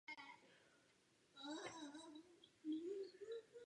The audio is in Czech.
V tom se strhla silná bouře a prudký déšť zamezil dalšímu boji.